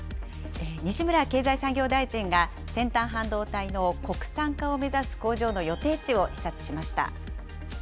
西村経済産業大臣が、先端半導体の国産化を目指す工場の予定地を視察しました。